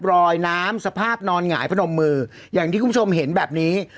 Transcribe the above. รอยน้ำสภาพนอนหงายพนมมืออย่างที่คุณผู้ชมเห็นแบบนี้